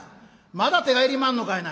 まだ手がいりまんのかいな」。